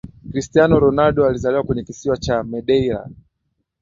Cristiano Ronaldo alizaliwa kwenye kisiwa cha Medeira